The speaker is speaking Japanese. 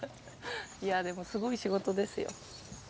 いやでもすごい仕事ですよ。